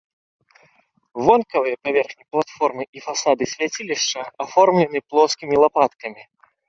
Вонкавыя паверхні платформы і фасады свяцілішча аформлены плоскімі лапаткамі.